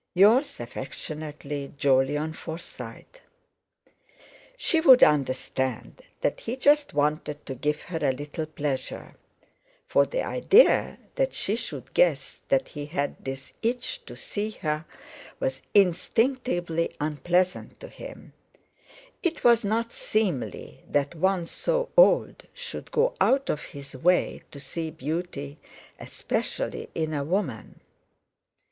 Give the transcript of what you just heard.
"Yours affectionately, "JOLYON FORSYTE." She would understand that he just wanted to give her a little pleasure; for the idea that she should guess he had this itch to see her was instinctively unpleasant to him; it was not seemly that one so old should go out of his way to see beauty, especially in a woman.